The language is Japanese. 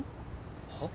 はっ？